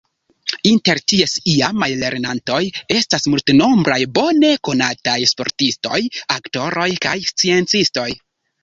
Inter ties iamaj lernantoj estas multenombraj bone konataj sportistoj, aktoroj kaj sciencistoj.